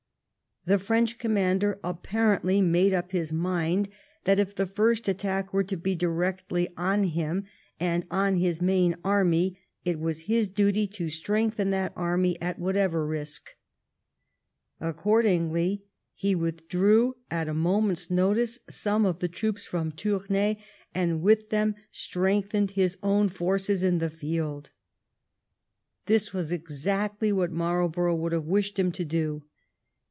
The French 24 THE REIGN OF QUEEN ANNE. ch. xxii. . commander apparently made up his mind that, if the first attack were to be directly on him and on his main army, it was his duty to strengthen that army at whatever risk. Accordingly he withdrew at a moment's notice some of the troops from Tournay and with them strengthened his own forces in the field. This was exactly what Marlborough would have wished him to do.